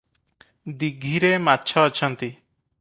ଦୀଘିରେ ମାଛ ଅଛନ୍ତି ।